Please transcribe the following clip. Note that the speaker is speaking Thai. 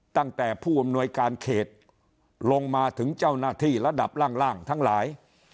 ตั้งแต่ผู้อำนวยการเขตลงมาถึงเจ้าหน้าที่ระดับล่างทั้งหลาย